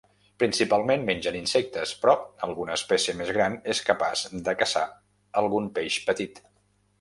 Principalment mengen insectes, però alguna espècie més gran és capaç de caçar algun peix petit.